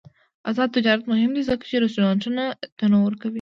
آزاد تجارت مهم دی ځکه چې رستورانټونه تنوع ورکوي.